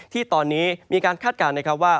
ที่ตอนนี้มีการคาดการณ์ว่า